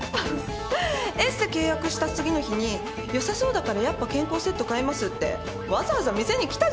エステ契約した次の日に「よさそうだからやっぱ健康セット買います」ってわざわざ店に来たじゃない。